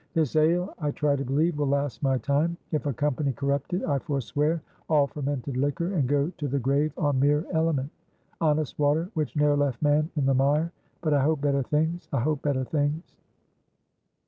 This ale, I try to believe, will last my time. If a company corrupt it, I forswear all fermented liquor, and go to the grave on mere element'honest water which ne'er left man in the mire.' But I hope better thingsI hope better things."